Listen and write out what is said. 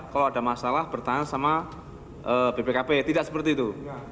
kalau ada masalah bertahan sama bpkp tidak seperti itu